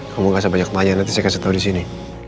kamu kasih banyak tanya nanti saya kasih tau disini